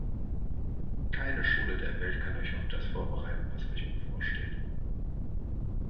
Keine Schule der Welt kann euch auf das vorbereiten, was euch bevorsteht.